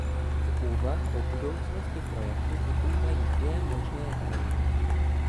Z úvah o budoucnosti projektu vyplývají dvě možné varianty.